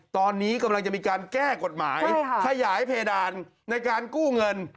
ตอนนี้กำลังจะมีการแก้กฎหมายขยายเพดานในการกู้เงิน